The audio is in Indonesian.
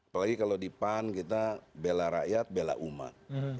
apalagi kalau di pan kita bela rakyat bela umat